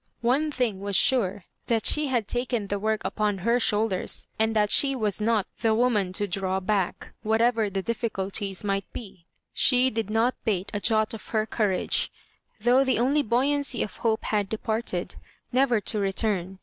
One thing was sure, that she had taken the work upon her shoqlders, and that she was not the woman to draw back, whatever the difficulties might be. She did not bate a jot of her courage, though the only buoyancy' of hope had departed, never to return.